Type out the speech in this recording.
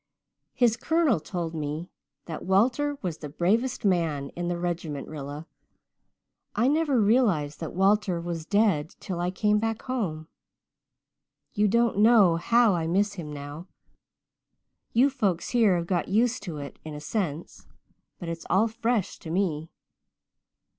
His colonel told me that Walter was the bravest man in the regiment. Rilla, I never realized that Walter was dead till I came back home. You don't know how I miss him now you folks here have got used to it in a sense but it's all fresh to me.